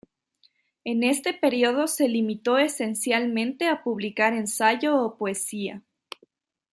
En este periodo se limitó esencialmente a publicar ensayo o poesía.